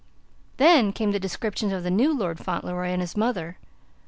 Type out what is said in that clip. Then came the descriptions of the new Lord Fauntleroy and his mother.